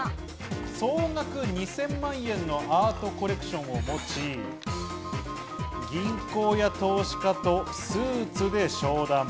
総額２０００万円のアートコレクションを持ち、銀行や投資家とスーツで商談。